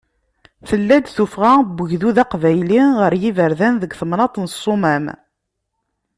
Tella-d tuffɣa n ugdud aqbayli ɣer yiberdan deg temnaḍt n Ssumam.